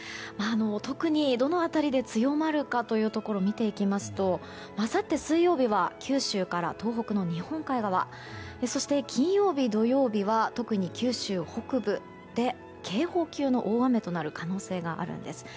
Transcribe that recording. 特にどの辺りで強まるかを見ていきますとあさって水曜日は、九州から東北の日本海側そして金曜日、土曜日は特に九州北部で警報級の大雨となる可能性があるんです。